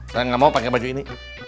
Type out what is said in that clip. saya gak mau pake baju ini